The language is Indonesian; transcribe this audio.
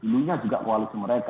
dulunya juga koalisi mereka